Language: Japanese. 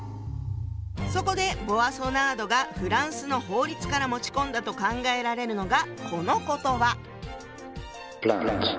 そこでボアソナードがフランスの法律から持ち込んだと考えられるのがこの言葉。